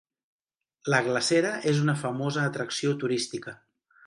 La glacera és una famosa atracció turística.